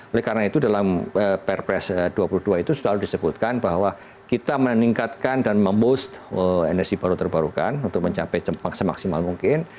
oleh karena itu dalam perpres dua puluh dua itu selalu disebutkan bahwa kita meningkatkan dan membost energi baru terbarukan untuk mencapai semaksimal mungkin